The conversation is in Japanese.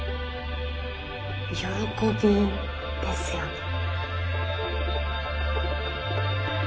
「喜び」ですよね。